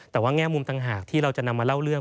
แต่ว่าแง่มุมต่างหากที่เราจะนำมาเล่าเรื่อง